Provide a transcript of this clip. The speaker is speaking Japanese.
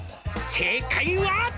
「正解は？」